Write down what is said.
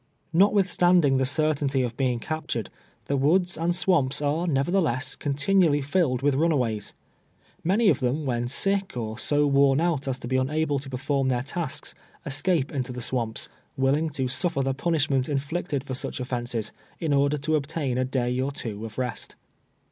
l^otwithst anding the certainty of being captured, the woods and swamps are, nevertheless, continually filled with runaways. Many of them, when sick, or so worn out as to be unable to perform their tasks, escape into the swamps, willing to sufter the punish ment inflicted for such ofil'ences, in order to obtain a day or two of rest.